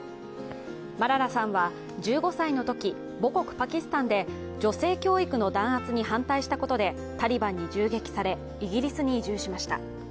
マララさんは１５歳のとき、母国パキスタンで女性教育の弾圧に反対したことでタリバンに銃撃され、イギリスに移住しました。